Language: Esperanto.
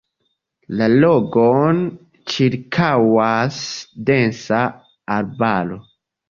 La lagon ĉirkaŭas densa arbaro.